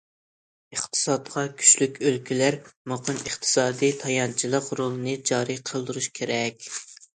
ئىقتىسادتا كۈچلۈك ئۆلكىلەر مۇقىم ئىقتىسادىي تايانچلىق رولىنى جارى قىلدۇرۇشى كېرەك.